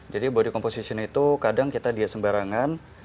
jadi body composition itu kadang kita diet sembarangan